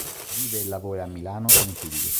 Vive e lavora a Milano con i figli.